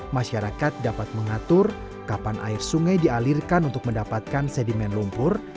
masyarakat dapat mengatur kapan air sungai dialirkan untuk mendapatkan sedimen lumpur